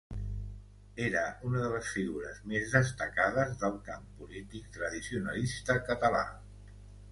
Era una de les figures més destacades del camp polític tradicionalista català.